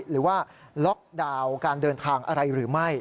หรือว่าล็อกดาวน์การเดินทางอะไรหรือไม่